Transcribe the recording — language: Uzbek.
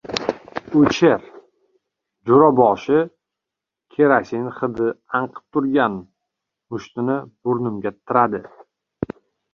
— O‘chir! — Jo‘raboshi kerosin hidi anqib turgan mushtini burnimga tiradi.